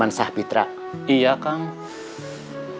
masalah apa lagi